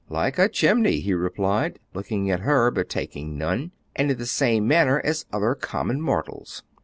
"Like a chimney," he replied, looking at her, but taking none, "and in the same manner as other common mortals."